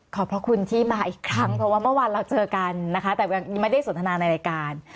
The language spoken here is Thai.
พระคุณที่มาอีกครั้งเพราะว่าเมื่อวานเราเจอกันนะคะแต่ยังไม่ได้สนทนาในรายการ